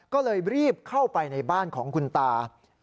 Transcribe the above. ก็เลยรีบเข้าไปในบ้านของคุณตา